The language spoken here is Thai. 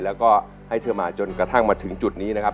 แล้วก็ให้เธอมาจนกระทั่งมาถึงจุดนี้นะครับ